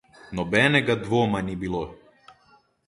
Nobenega dvoma ni bilo.